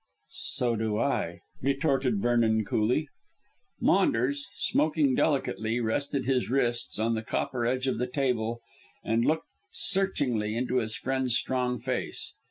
"So do I," retorted Vernon coolly. Maunders, smoking delicately, rested his wrists on the copper edge of the table and looked searchingly into his friend's strong face.